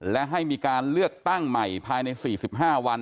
และให้มีการเลือกตั้งใหม่ภายใน๔๕วัน